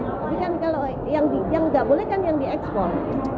tapi kan kalau yang nggak boleh kan yang diekspor